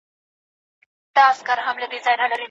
د پوهنې په ډګر کې بریا د ټول افغان ملت بریا ده.